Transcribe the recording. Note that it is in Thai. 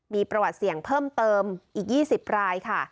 มีประวัติเสี่ยงเพิ่มเติมอีก๒๐รายค่ะ